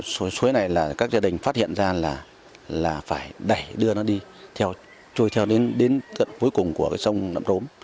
số suối này là các gia đình phát hiện ra là phải đẩy đưa nó đi trôi theo đến cuối cùng của cái sông nậm rốm